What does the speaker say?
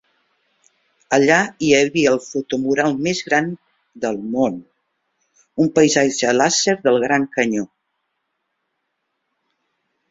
Allà hi havia el fotomural més gran del món, un paisatge làser del Gran Canyó.